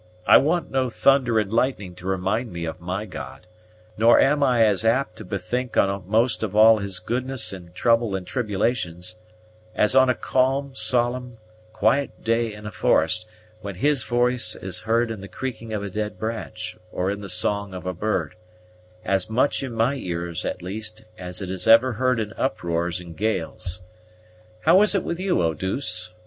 I want no thunder and lightning to remind me of my God, nor am I as apt to bethink on most of all His goodness in trouble and tribulations as on a calm, solemn, quiet day in a forest, when His voice is heard in the creaking of a dead branch or in the song of a bird, as much in my ears at least as it is ever heard in uproar and gales. How is it with you, Eau douce?